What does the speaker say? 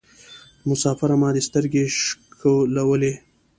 مسافره ما دي سترګي شکولولې